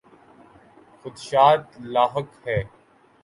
خدشات لاحق ہیں۔